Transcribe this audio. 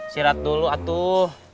sirat dulu atuh